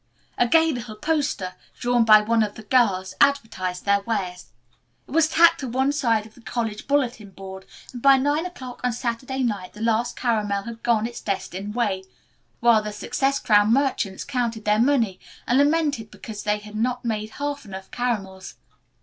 A gay little poster, drawn by one of the girls, advertised their wares. It was tacked to one side of the college bulletin board, and by nine o'clock on Saturday night the last caramel had gone its destined way, while the success crowned merchants counted their money and lamented because they had not made half enough caramels.